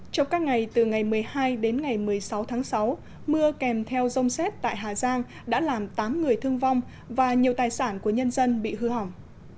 trong các ngày từ ngày một mươi hai đến ngày một mươi sáu tháng sáu mưa kèm theo rông xét tại hà giang đã làm tám người thương vong và nhiều tài sản của nhân dân bị hư hỏng